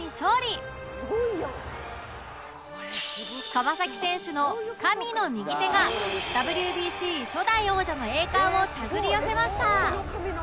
川選手の神の右手が ＷＢＣ 初代王者の栄冠を手繰り寄せました